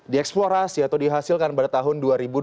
dieksplorasi atau dihasilkan pada tahun dua ribu dua puluh